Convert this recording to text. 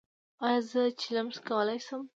ایا زه چلم څکولی شم؟